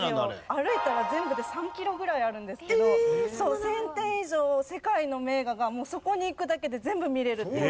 歩いたら全部で３キロぐらいあるんですけど１０００点以上世界の名画がそこに行くだけで全部見れるっていう。